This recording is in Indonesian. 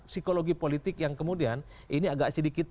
psikologi politik yang kemudian ini agak sedikit